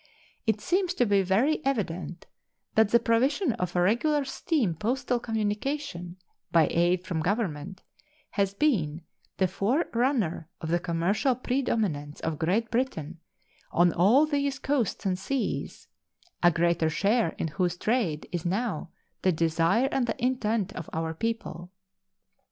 It seems to be very evident that the provision of regular steam postal communication by aid from government has been the forerunner of the commercial predominance of Great Britain on all these coasts and seas, a greater share in whose trade is now the desire and the intent of our people.